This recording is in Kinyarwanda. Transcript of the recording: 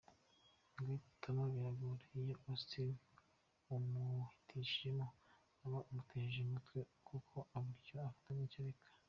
Guhitamo biramugora ,iyo Augustin umuhitishijemo uba umutesheje umutwe kuko abura icyo afata nicyo areka.